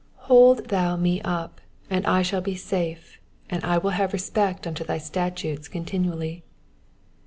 117 Hold thou me up, and I shall be safe: and I will have respect unto thy statutes continually.